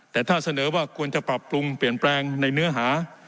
แต่ถ้าเสนอว่าควรจะปรับปรุงเปลี่ยนแปลงในเนื้อหา